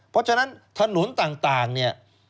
เพราะฉะนั้นถนนต่างเนี่ย